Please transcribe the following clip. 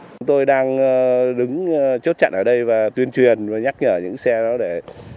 chúng tôi đang đứng chốt chặn ở đây và tuyên truyền và nhắc nhở những xe đó để